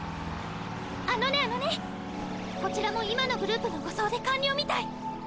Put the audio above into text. あのねあのねこちらも今のグループの護送で完了みたい。